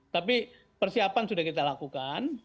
tapi persiapan sudah kita lakukan